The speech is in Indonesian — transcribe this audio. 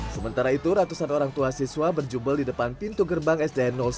sementara itu ratusan orang tua siswa berjubel di depan pintu gerbang sdn satu